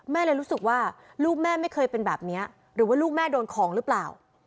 เลยรู้สึกว่าลูกแม่ไม่เคยเป็นแบบนี้หรือว่าลูกแม่โดนของหรือเปล่า